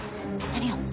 何よ？